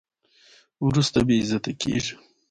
وروسته بې عزته کېږي.